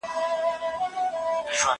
زه اوږده وخت کتابتون ته ځم وم!